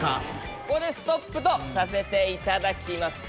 ここでストップとさせていただきます。